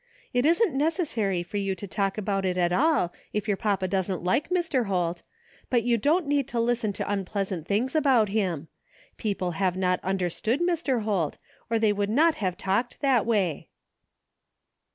It isn't necessary for you to talk about it at all if your papa doesn't like Mr. Holt, but you don't need to listen to tmpleasant things about him. People have not understood Mr. Holt, or they would not have talked that way."